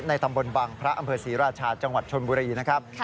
ตำบลบังพระอำเภอศรีราชาจังหวัดชนบุรีนะครับ